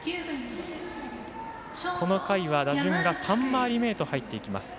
この回は、打順が３回り目へと入っていきます。